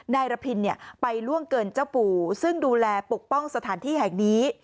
นายระพินไปล่วงเกินเจ้าปู่ซึ่งดูแลปกป้องสถานที่แห่งนี้